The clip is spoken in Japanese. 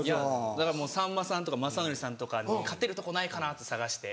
だからもうさんまさんとか雅紀さんとかに勝てるとこないかなって探して。